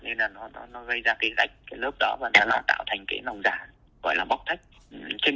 nên là nó gây ra cái gạch cái lớp đó và nó tạo thành cái lòng giả gọi là bóc tách